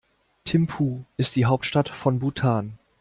Thimphu ist die Hauptstadt von Bhutan.